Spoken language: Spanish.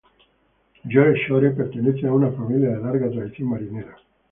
Joel Shore pertenece a una familia de larga tradición marinera.